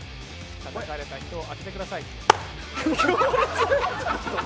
たたかれた人を当ててください。